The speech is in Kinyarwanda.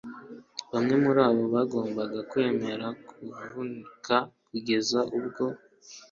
Bamwe muri bo bagombaga kwemera kuvunika kugeza ubwo,